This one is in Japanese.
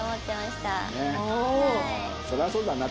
そりゃそうだな。